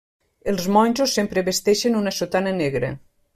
Els monjos sempre vesteixen una sotana negra.